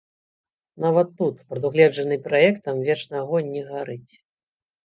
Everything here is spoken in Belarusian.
Нават тут прадугледжаны праектам вечны агонь не гарыць.